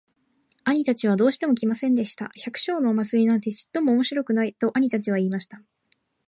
兄たちはどうしても来ませんでした。「百姓のお祭なんてちっとも面白くない。」と兄たちは言いました。